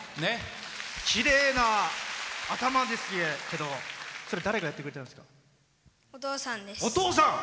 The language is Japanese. きれいな頭ですけどそれ誰がやってくれたんですか？